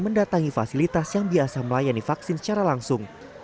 mendatangi fasilitas yang biasa melayani vaksin secara langsung